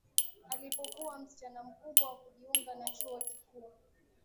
Alipokuwa msichana mkubwa wa kujiunga na chuo kikuu